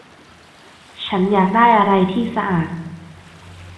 ฉันอยากได้อะไรที่สะอาด